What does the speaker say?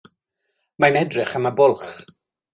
Mae'n edrych am y bwlch.